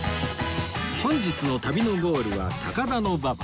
本日の旅のゴールは高田馬場